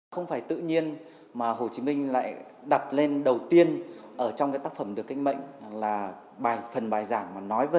không phải tự nhiên mà hồ chí minh lại đặt lên đầu tiên trong tác phẩm được kinh mệnh là phần bài giảng nói về